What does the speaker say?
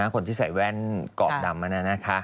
คนที่ใส่แว่นกรอบดำอันนั้นนะคะ